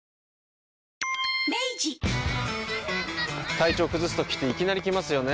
体調崩すときっていきなり来ますよね。